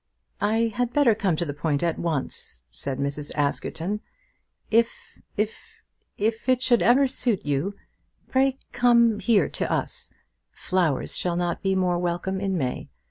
"I had better come to the point at once," said Mrs. Askerton. "If if if it should ever suit you, pray come here to us. Flowers shall not be more welcome in May.